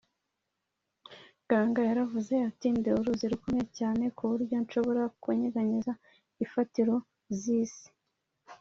ganga yaravuze ati ndi uruzi rukomeye cyane ku buryo nshobora kunyeganyeza imfatiro z’isi.